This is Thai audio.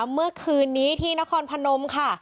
เมื่อคืนนี้ที่นครพนมค่ะ